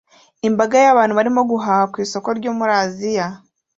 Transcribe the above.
Imbaga y'abantu barimo guhaha ku isoko ryo muri Aziya